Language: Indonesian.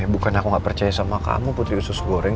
bukan aku nggak percaya sama kamu putri usus goreng